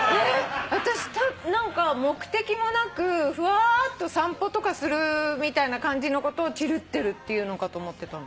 私何か目的もなくふわっと散歩とかするみたいな感じのことをチルってるって言うのかと思ってた。